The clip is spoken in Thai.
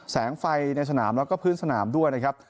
แสงไฟในสนามแล้วก็พื้นสนามด้วยนะครับ